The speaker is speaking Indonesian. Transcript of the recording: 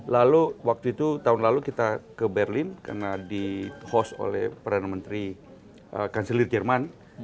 lalu waktu itu tahun lalu kita ke berlin karena di host oleh perdana menteri kanselir jerman